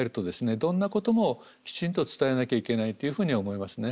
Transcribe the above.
どんなこともきちんと伝えなきゃいけないっていうふうに思いますね。